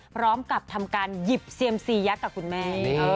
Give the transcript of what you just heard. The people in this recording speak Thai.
พร้อมกับทำการหยิบเซียมซียักษ์กับคุณแม่